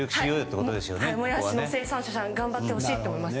モヤシの生産者さんに頑張ってほしいです。